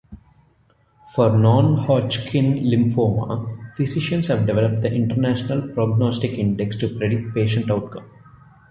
For Non-Hodgkin lymphoma, physicians have developed the International Prognostic Index to predict patient outcome.